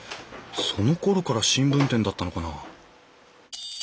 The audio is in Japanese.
そのころから新聞店だったのかな？